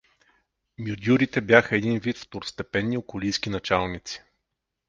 Мюдюрите бяха един вид второстепенни околийски началници.